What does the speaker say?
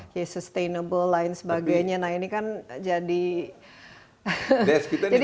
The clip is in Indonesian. yang sustainable lain sebagainya nah ini kan jadi jadi hambatan untuk sepeda melalui